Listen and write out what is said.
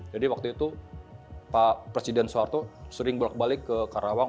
jadi waktu itu pak presiden soeharto sering berbalik ke karawang